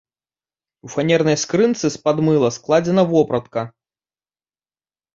У фанернай скрынцы з-пад мыла складзена вопратка.